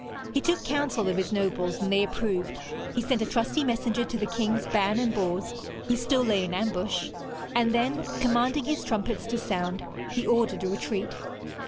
He took counsel of his nobles, and they approved; he sent a trusty messenger to the Kings Ban and Bors, who still lay in ambush; and then, commanding his trumpets to sound, he ordered a retreat.